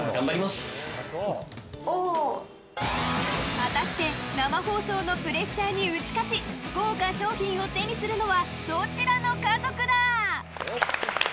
果たして生放送のプレッシャーに打ち勝ち豪華賞品を手にするのはどちらの家族だ？